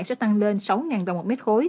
sẽ tăng lên sáu đồng một mét khối